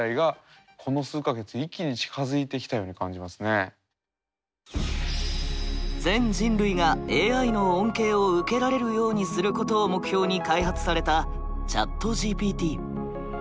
こうなると「全人類がＡＩの恩恵を受けられるようにする」ことを目標に開発されたＣｈａｔＧＰＴ。